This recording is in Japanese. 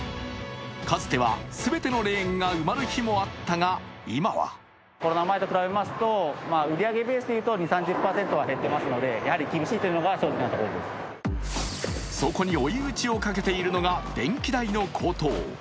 かつては全てのレーンが埋まる日もあったが、今はそこに追い打ちをかけているのが電気代の高騰。